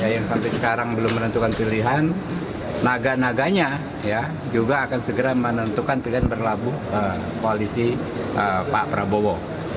yang sampai sekarang belum menentukan pilihan naga naganya juga akan segera menentukan pilihan berlabuh koalisi pak prabowo